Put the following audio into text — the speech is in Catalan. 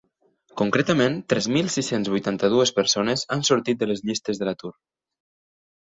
Concretament tres mil sis-cents vuitanta-dues persones han sortit de les llistes de l’atur.